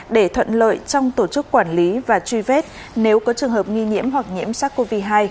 để thuận lợi trong tổ chức quản lý và truy vết nếu có trường hợp nghi nhiễm hoặc nhiễm sars cov hai